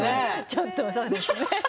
ちょっとそうですね。